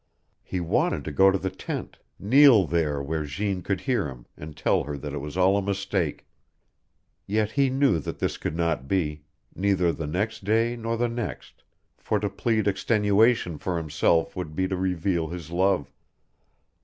He wanted to go to the tent, kneel there where Jeanne could hear him, and tell her that it was all a mistake. Yet he knew that this could not be, neither the next day nor the next, for to plead extenuation for himself would be to reveal his love.